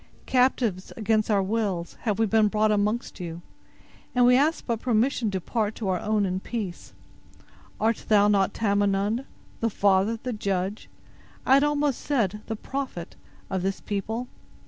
"Captives against our wills, have we been brought amongst you; and we ask but permission to depart to our own in peace. Art thou not Tamenund—the father, the judge, I had almost said, the prophet—of this people?"